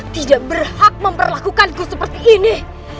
tidak berhak memperlakukanku seperti ini